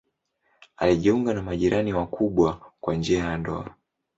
Alijiunga na majirani wakubwa kwa njia ya ndoa.